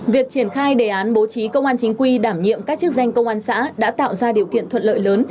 việc triển khai đề án bố trí công an chính quy đảm nhiệm các chức danh công an xã đã tạo ra điều kiện thuận lợi lớn